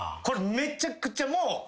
これめちゃくちゃもう。